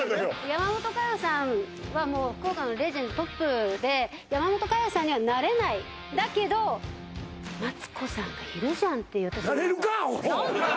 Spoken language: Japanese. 山本カヨさんはもう福岡のレジェンドトップで山本カヨさんにはなれないだけどマツコさんがいるじゃんってなれるかアホ何で？